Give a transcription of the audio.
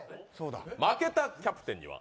負けたキャプテンには